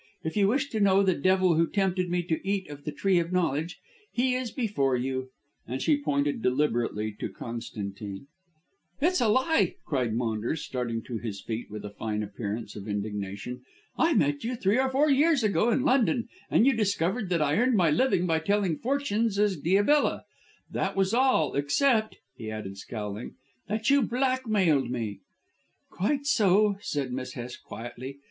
If you wish to know the devil who tempted me to eat of the Tree of Knowledge, he is before you," and she pointed deliberately to Constantine. "It's a lie," cried Maunders, starting to his feet with a fine appearance of indignation. "I met you three or four years ago in London and you discovered that I earned my living by telling fortunes as Diabella. That was all, except," he added, scowling, "that you blackmailed me." "Quite so," said Miss Hest quietly.